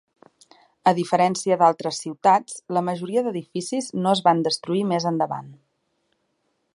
A diferència d'altres ciutats, la majoria d'edificis no es van destruir més endavant.